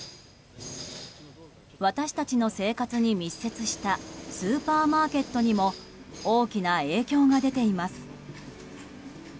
私たちの生活に密接したスーパーマーケットにも大きな影響が出ています。